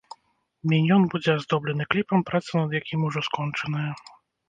Міньён будзе аздоблены кліпам, праца над якім ужо скончаная.